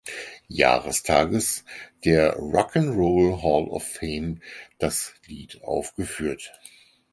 Jahrestages der Rock and Roll Hall of Fame das Lied aufgeführt.